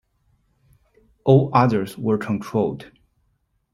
All others were controlled.